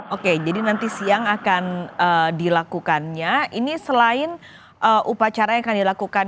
oke jadi nanti siang akan dilakukannya ini selain upacara yang akan dilakukan